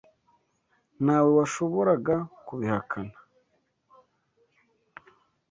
Ntawe washoboraga kubihakana.